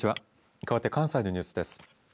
かわって関西のニュースです。